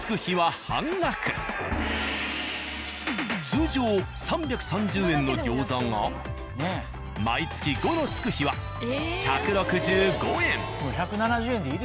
通常３３０円の餃子が毎月５日のつく日は１６５円。